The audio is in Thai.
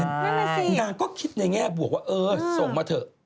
นั่นก็คิดในแง่บวกว่าเออส่งมาเถอะ